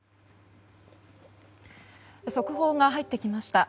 速報が入ってきました。